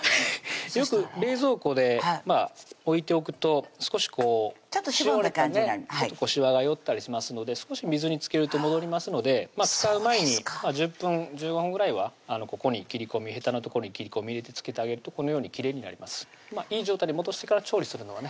よく冷蔵庫で置いておくと少ししおれてしわが寄ったりしますので少し水につけると戻りますので使う前に１０分１５分ぐらいはここに切り込みヘタの所に切り込み入れてつけてあげるときれいになりますいい状態に戻してから調理するのがね